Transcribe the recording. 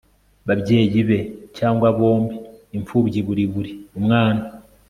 babyeyi be cyangwa bombi. imfubyi buriburi umwana